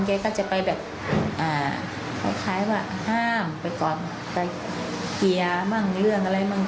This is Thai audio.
แกก็จะไปแบบคล้ายว่าห้ามไปก่อนไปเคลียร์มั่งเรื่องอะไรมั่ง